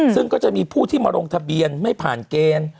ซึ่งก็จะมีผู้ที่มาลงทะเบียนไม่ผ่านเกณฑ์